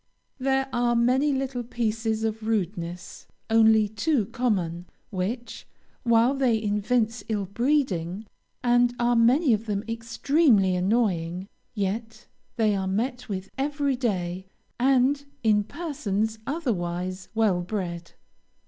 There are many little pieces of rudeness, only too common, which, while they evince ill breeding, and are many of them extremely annoying, yet they are met with every day, and in persons otherwise well bred.